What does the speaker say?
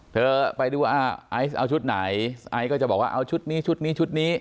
ไปดูว่าไอซ์เอาชุดไหนไอซ์ก็จะบอกว่าเอาชุดนี้ชุดนี้ชุดนี้